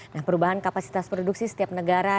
nah perubahan kapasitas produksi setiap negara